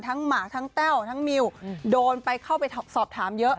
หมากทั้งแต้วทั้งมิวโดนไปเข้าไปสอบถามเยอะ